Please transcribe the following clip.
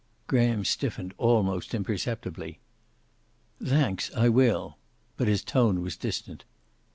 Graham stiffened almost imperceptibly. "Thanks, I will." But his tone was distant.